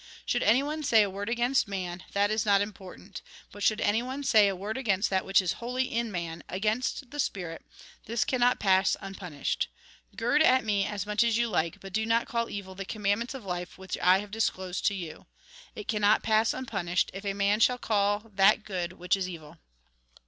Should anyone say a word against man, that is not important ; but should anyone say Mt. xii. 24. THE TRUE LIFE 75 a word against that which is holy in man, against the spirit, this cannot pass unpunished. Gird at me as much as you like, but do not call evil the commandments of life which I have disclosed to you. It cannot pass unpunished, if a man shall call that good which is evil.